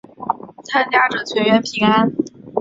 参加者全员平安。